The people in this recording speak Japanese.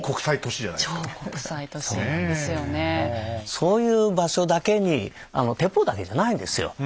そういう場所だけに鉄砲だけじゃないんですよ。